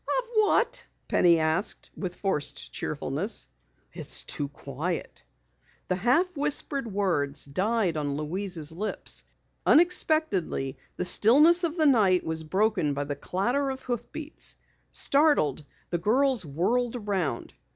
"Of what?" Penny asked with forced cheerfulness. "It's too quiet." The half whispered words died on Louise's lips. Unexpectedly, the stillness of the night was broken by the clatter of hoofbeats. Startled, the girls whirled around.